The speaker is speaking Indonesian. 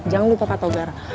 jangan lupa pak togar